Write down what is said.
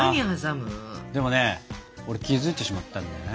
でもね俺気付いてしまったんだよね。